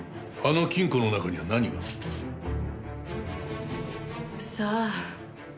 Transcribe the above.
あの金庫の中には何が？さあ。